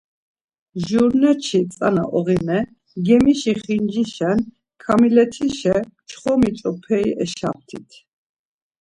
Jurneçi ntzana oğine gemişi xincişen Kamiletişa mçxomi ç̌operi eşaptit.